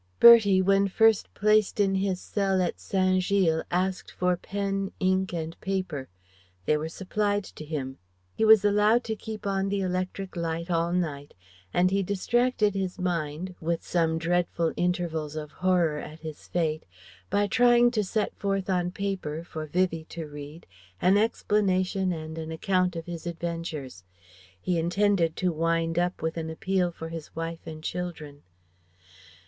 Bertie when first placed in his cell at Saint Gilles asked for pen, ink, and paper. They were supplied to him. He was allowed to keep on the electric light all night, and he distracted his mind with some dreadful intervals of horror at his fate by trying to set forth on paper for Vivie to read an explanation and an account of his adventures. He intended to wind up with an appeal for his wife and children.